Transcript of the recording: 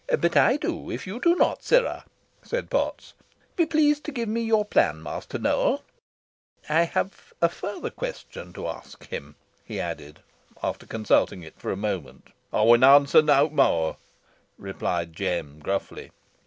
"But I do, if you do not, sirrah," said Potts. "Be pleased to give me your plan, Master Newell. I have a further question to ask him," he added, after consulting it for a moment. "Ey win awnser nowt more," replied Jem, gruffly.